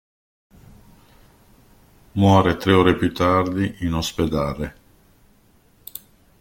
Muore tre ore più tardi in ospedale.